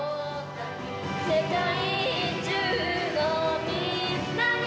「世界中のみんなに」